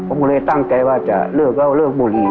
ผมเลยตั้งใจว่าจะเลิกแล้วเลิกมนติ